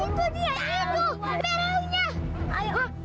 kita semakin menengah